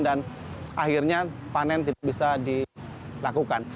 dan akhirnya panen tidak bisa dilakukan